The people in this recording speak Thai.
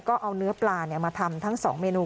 ก็เอาเนื้อปลามาทำทั้ง๒เมนู